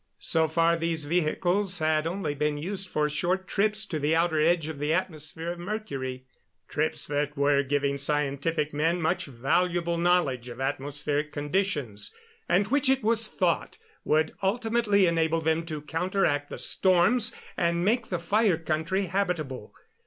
So far these vehicles had only been used for short trips to the outer edge of the atmosphere of Mercury trips that were giving scientific men much valuable knowledge of atmospheric conditions, and which it was thought would ultimately enable them to counteract the storms and make the Fire Country habitable.